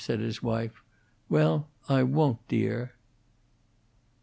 said his wife. "Well, I woon't, dear."